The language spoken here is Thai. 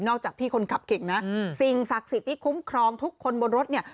จากพี่คนขับเก่งนะสิ่งศักดิ์สิทธิ์ที่คุ้มครองทุกคนบนรถเนี่ย